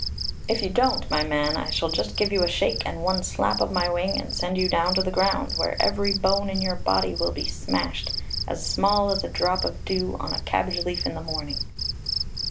'If you don't, my man, I shall just give you a shake, and one slap of my wing, and send you down to the ground, where every bone in your body will be smashed as small as a drop of dew on a cabbage leaf in the morning.'